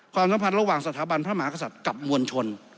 ความสัมพันธ์ระหว่างสถาบันพระมหากษัตริย์กับมวลชน